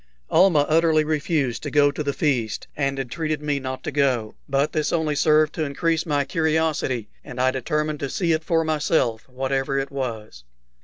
Almah utterly refused to go to the feast, and entreated me not to go; but this only served to increase my curiosity, and I determined to see it for myself, whatever it was.